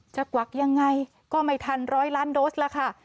จะกวักอย่างไรก็ไม่ทัน๑๐๐ล้านโดสล่ะค่ะ